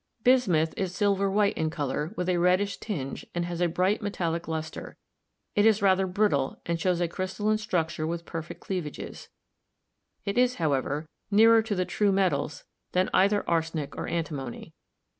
Bismuth is silver white in color with a reddish tinge and has a bright metallic luster; it is rather brittle and shows a crystalline structure with perfect cleavages ; it is, however, nearer to the true metals than either arsenic or antimony.